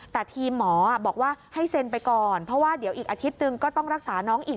แต่ทีมหมอบอกว่าให้เซ็นไปก่อนเพราะว่าเดี๋ยวอีกอาทิตย์หนึ่งก็ต้องรักษาน้องอีก